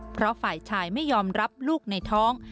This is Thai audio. เพราะฝ่ายชายไม่ยอมรับลูกในท้อง